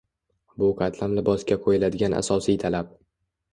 Bu qatlam libosga qo‘yiladigan asosiy talab.